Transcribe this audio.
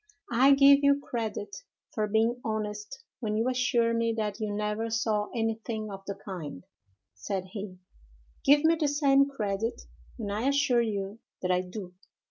"I give you credit for being honest when you assure me that you never saw anything of the kind," said he; "give me the same credit when I assure you that I do."